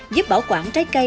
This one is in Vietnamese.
giúp bảo quản trái cây